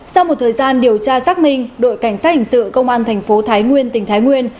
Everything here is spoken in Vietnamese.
sau một thời gian điều tra xác minh đội cảnh sát hình sự công an thành phố thái nguyên tỉnh thái nguyên